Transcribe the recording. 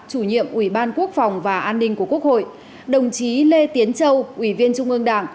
chủ nhiệm ủy ban quốc phòng và an ninh của quốc hội đồng chí lê tiến châu ủy viên trung ương đảng